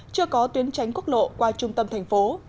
chưa có tuyến tránh quốc lộ qua trung tâm thành phố